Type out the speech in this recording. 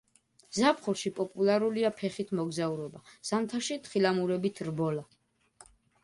ზაფხულში პოპულარულია ფეხით მოგზაურობა, ზამთარში თხილამურებით რბოლა.